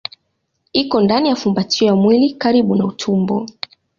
Iko ndani ya fumbatio ya mwili karibu na tumbo.